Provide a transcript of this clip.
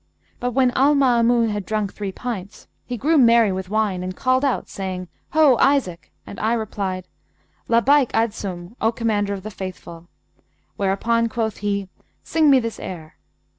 But when Al Maamun had drunk three pints,[FN#180] he grew merry with wine and called out, saying, 'Ho, Isaac!' And I replied, 'Labbayk, Adsum, O Commander of the Faithful,' whereupon quoth he, 'Sing me this air.'